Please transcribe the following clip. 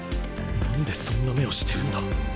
何でそんな目をしてるんだ？